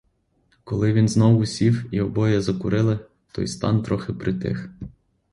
Коли він знову сів і обоє закурили, той стан трохи притих.